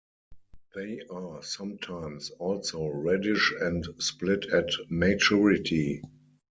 They are sometimes also reddish and split at maturity.